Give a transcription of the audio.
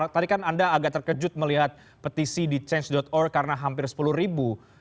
tadi kan anda agak terkejut melihat petisi di change org karena hampir sepuluh ribu